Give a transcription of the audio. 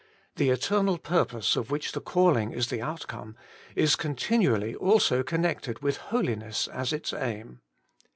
The eternal purpose of which the calling is the outcome, is continually also connected with holiness as its aim.